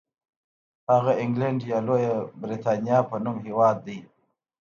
هغه انګلنډ یا لویه برېټانیا په نوم هېواد دی.